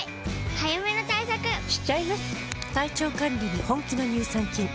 早めの対策しちゃいます。